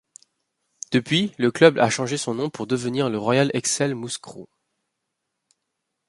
Depuis, le club a changé son nom pour devenir le Royal Excel Mouscron.